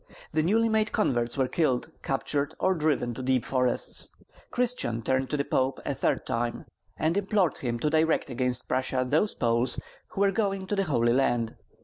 The newly made converts were killed, captured, or driven to deep forests. Christian turned to the Pope a third time, and implored him to direct against Prussia those Poles who were going to the Holy Land.